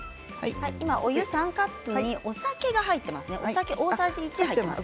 今お湯３カップにお酒が大さじ１入っています。